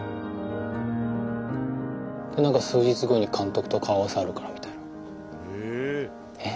何か数日後に監督と顔合わせあるからみたいなえっ？